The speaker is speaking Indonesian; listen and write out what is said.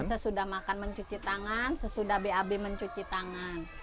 sesudah makan mencuci tangan sesudah bab mencuci tangan